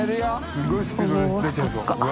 すごいスピード出ちゃいそう。